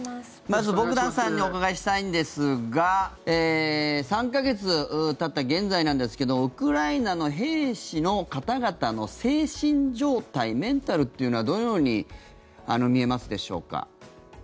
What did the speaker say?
まず、ボグダンさんにお伺いしたいんですが３か月たった現在なんですけどウクライナの兵士の方々の精神状態、メンタルというのはどのように見えますでしょうか。